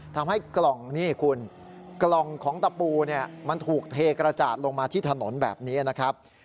ทำให้กล่องของตะปูมันถูกเทกระจาดลงมาที่ถนนแบบนี้นะครับ